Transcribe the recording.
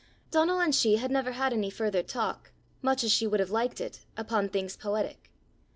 Donal and she had never had any further talk, much as she would have liked it, upon things poetic.